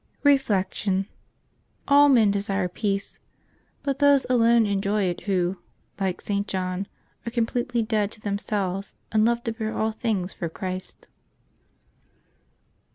Reflection. — All men desire peace, but those alone enjoy it who, like St. John, are completely dead to themselves, and love to bear all thinors for Christ.